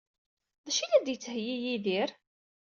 D acu ay la d-yettheyyi Yidir?